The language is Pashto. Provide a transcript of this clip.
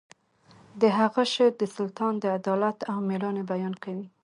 د هغه شعر د سلطان د عدالت او میړانې بیان کوي